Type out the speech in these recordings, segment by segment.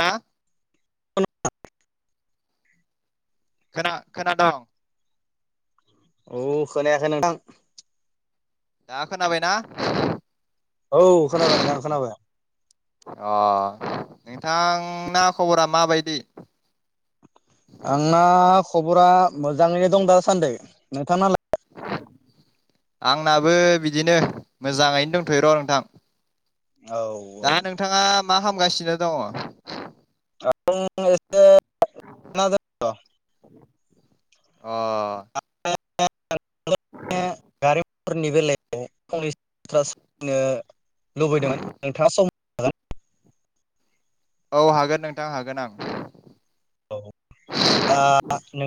ना खोना खोनादं औ खोनायाखै नोंथां। दा खोनाबायना? औ खोनाबाय नोंथां खोनाबाय। नोंथां ना खबरा माबायदि? आंना खबरा मोजाङैनो दं दासान्दै नोंथां नालाय? आंनाबो बिदिनो मोजाङैनो दंथ'यो' र' नोंथां। औ औ दा नोंथाङा मा खामगासिनो? दङ आङो स अ ओ [unintelligible] गारिब फोरनि बेलायाव फंनैसो बाथ्रा सावरायनो लुबैदोंमोन नोंथाङा सम हागोन औ हागोन नोंथां हागोन आं औ दा नोंथां ओ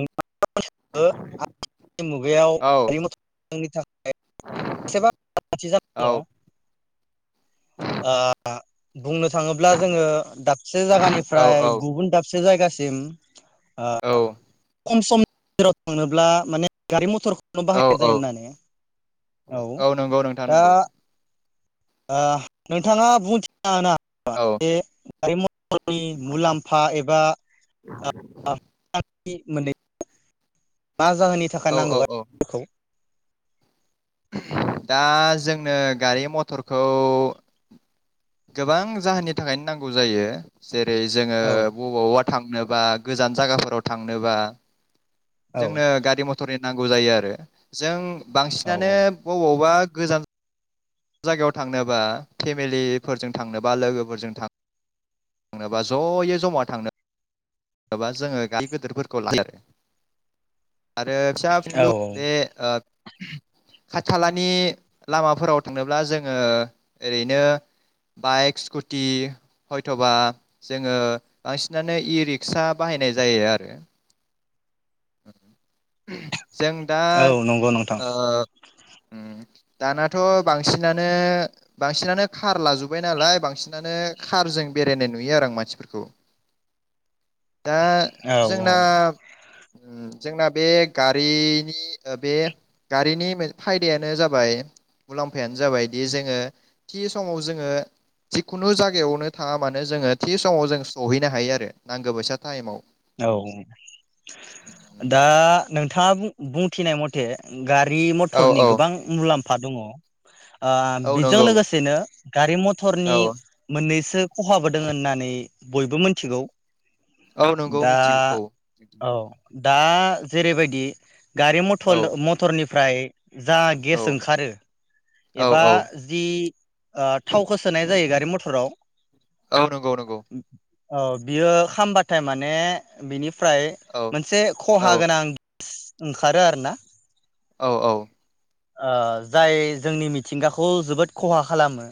आथिखालनि मुगायाव औ [unintelligible] थाखाय एसेबा [unintelligible] ओ औ बुंनो थाङोब्ला जोङो दाबसे औ जागानिफ्राय गुबुन दाबस से जायगासिम ओ औ खम सम गेजेराव थांनोब्ला माने गारि मथर नो औ बाहायनाय औ जायो होननानै औ नंगौ नोंथां दा नंगौ ओ नोंथाङा बुंथि आ होनो बा औ बे गारि म मथरनि मुलाम्फा एबा ओ ओ मोननै मा जाहोननि थाखाय औ औ नांगौ गारि औ मथरखौ दा जोंनो गारि-मथरखौ गोबां जाहोननि थाखायनो नांगौ जायो। जेरै जोङो औ बबावबा थांनोबा गोजान जायगाफोराव थांनोबा औ जोंनो गारि मथरनि नांगौ जायो आरो जों औ बांसिनानो बबावबा गोजान जायगायाव थांनोबा फेमिलिफोरजों थांनोबा लोगोफोरजों थां थांनोबा ज'यै जमा थांनो बा जोङो गारि गिदिरफोरखौ लायो आरो आरो फिसा औ फिनलु बे खाथि खालानि लामाफोराव थांनोब्ला जोङो ओरैनो बाइक स्कुटि हयथ'बा जोङो बांसिनानो इ रिक्सा बाहायनाय जायो आरो [unintelligible] जों दा औ नंगौ नोंथां ओ उम दानाथ' बांसिनानो बांसिनानो खार लाजुब्बाय नालाय बांसिनानो खारजों बेरायनाय नुयो आरो आं मानसिफोरखौ दा औ जोंना उम जोंना बे गारिनि ओ बे गारिनि मो फायदायानो जाबाय मुलाम्फायानो जाबायदि जोङो थि समाव जोङो जिखुनु जागायावनो थाङा मानो जोङो थि समाव जों सहैनो हायो आरो नांगौ बायसा टाइमाव औ दा नोंथाङा बुं बुंथिनाय मथे गारि औ मथरनि औ गोबां मुलाम फा दङ' ओ औ बिजों नंगौ लोगोसेनो गारि मथरनि औ मोननैस- सो खहाबो दोंङो होननानै बयबो मोनथिगौ औ नंगौ मिथिगौ औ दा जेरैबायदि गारि औ मथलद मथरनि फ्राय जा औ गेस ओंखारो औ एबा औ जि ओ थावखौ सोनाय जायो गारि मथराव औ नंगौ नंगौ [unintelligible] औ बियो खामबाथाय मान- ने बिनि फ्राय औ मोनसे औ खहा गोनां ओंखारो आरो ना औ औ ओ जाय जोंनि मिथिंगाखौ जोबोद खहा खालामो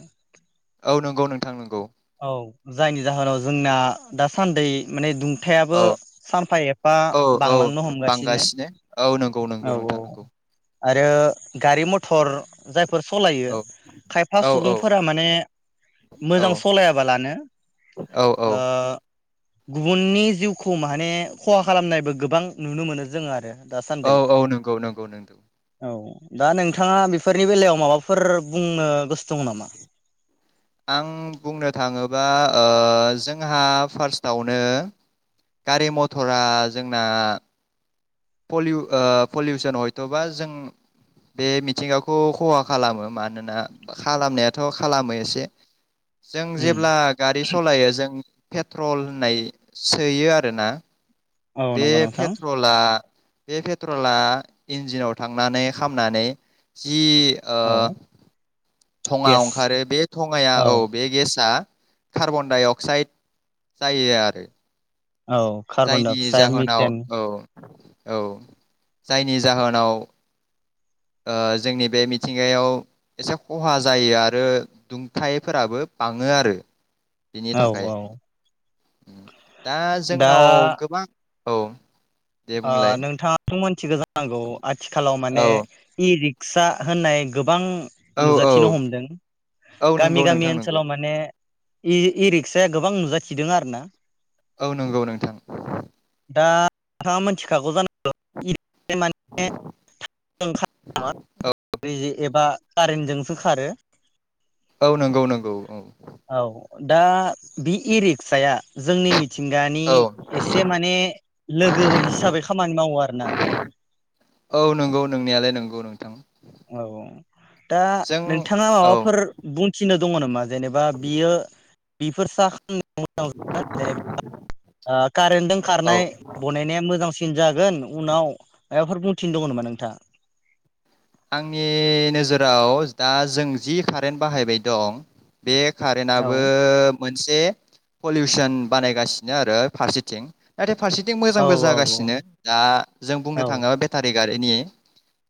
औ नंगौ नोंथां नंगौ औ जायनि जाहोनाव जोंना दासान्दै माने दुं थायाबो औ सानफा एफा औ औ बांलांनो हमगासिनो बांगासिनो औ नंगौ नंगौ औ औ नोंथां नंगौ आरो गारि मथ'र जाय फोर सलायो औ खायफा औ औ सुबुंफोरा माने औ मोजां स सलायाबालानो औ औ ओ गुबुननि जिउखौ माने खहा खालामनायबो गोबां नुनो मोनो जोङो आरो औ दासान्दि औ नोंगौ नोंगौ नोंथां औ दा नोंथाङा बेफोरनि बेलायाव माबाफोर बुंनो गोसो दङ' नामा? आं बुंनो थाङोबा ओ जोंहा फार्स्टआवनो गारि मथ'रा जोंना पलिउ ओ पलिउसन हयथ'बा जों बे मिथिंगाखौ खहा खालामो मानोना खालामनायाथ' खालामो एसे जों उम जेब्ला गारि सालायो जों पेट्रल होननाय सोयो आरोना औ बे नंगौ नोंथां पेट्रला बे पेट्रला इन्जिनाव थांनानै खामनानै जि ओ औ थङा गेस ओंखारो बे थङाया औ बे गेसआ कार्बन डाइ अक्साइड जायो आरो औ जायनि कार्बनडाइ अक्साइड जाहोनाव मिथेन औ औ जायनि जाहोनाव ओ जोंनि बे मिथिंगायाव एसे खहा जायो आरो दुंथायफोराबो बाङो आरो बिनि औ थाखाय औ दा दा जोंनाव गोबां औ दे ओ बुंलाय नोंथाङा' मिथिगौ जानांगौ आथिखालाव औ माने इ रिक्सा होननाय गोबां औ औ नुजाथिनो हमदों औ नंगौ गामि गामि नोंथां नंगौ ओनसोलाव माने इ रिक्साया गोबां नुजाथिदों आरो ना औ नंगौ नोंथां दा नोंथाङा मिथिखागौ जानागौ इ माने ओं एबा कारेन्टजोंसो खारो औ नंगौ नंगौ औ औ दा बे इ रिक्साया जोंनि मि थिंगानि औ एसे माने लोगो हिसाबै खामानि मावो आरो ना दां। औ दा नोंथाङा औ माबाफोर बुंथिनो दङ नामा? जेनेबा बियो बेफोर सा जेनेबा ओ कारेन्टजों औ खारनाय बनायनाया मोजांसिन जागोन उनाव माबाफोर बुंथिनो दङ नामा नोंथाङा? आंनि नोजोराव दा जों जि कारेन्ट बाहायबाय दं बे औ कारेन्टआबो मोनसे पलिउसन बानायगासिनो आरो फारसेथिं नाथाय फारसेथिं औ मोजांबो औ जागासिनो दा जों बुंनो थाङोब्ला बेटारि गारिनि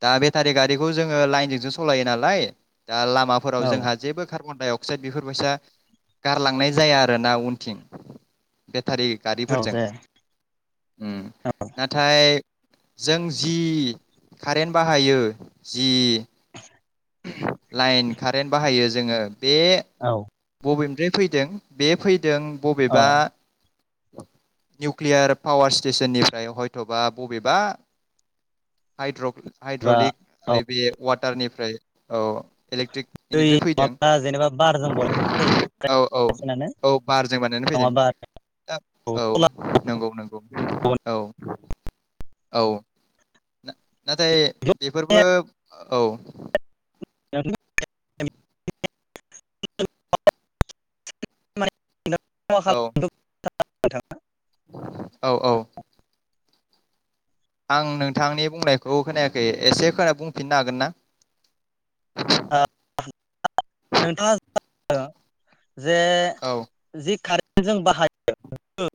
दा बे टारि गारिखौ जोङो लाइनजोंसो सालायो नालाय। दा लामाफोराव जोंहा जेबो कार्बणडाय अक्साइड बेफोरबायसा गारलांनाय जाया आरोना उनथिं। थारि औ गारिफोरजों ओम नाथाय जों जि कारेन्ट बाहायो जि [unintelligible] लाइन कारेन्ट बाहायो जोङो बे औ बबे फैदों बे फै। औ अ बबेबा निउकलियार पावार स्टेसननिफ्राय हयथबा बबेबा हाइड्र बा हाइद्रलिक औ बे तारनिफ्राय औ। दै इलेक्ट्रिकनिफ्राय फैदों माबा जेनेबा बारजों औ औ बनायालासिनो औ बारजों बानायनानै फैदों‌। नङाबा औ नंगौ नंगौ औ। औ नाथाय बेफोरबो औ। [unintelligible] [unintelligible] औ [unintelligible] औ औ। आं नोंथांनि बुंनायखौ खोनायाखै एसे खोना बुंफिननो हागोन ना? नोंथाङा जे औ जि खार जों बाहायो